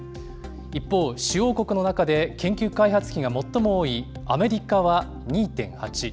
一方、主要国の中で研究開発費が最も多いアメリカは２．８。